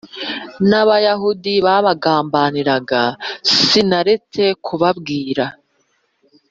n Abayahudi bangambaniraga i Sinaretse kubabwira